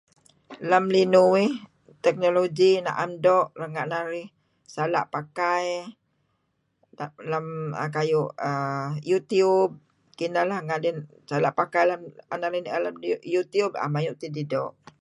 Lem linuh uih teknologi na'em doo' renga' narih sala' pakai lem kayu' err YouTube, kineh leh nga' dih sala' pakai lah en narih ni'er lem YouTube 'em ayu' tidih doo'.